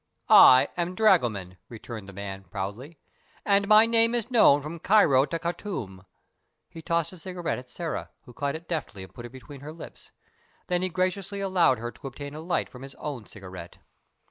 "I am dragoman," returned the man, proudly, "and my name is known from Cairo to Khartoum." He tossed a cigarette at Sĕra, who caught it deftly and put it between her lips. Then he graciously allowed her to obtain a light from his own cigarette.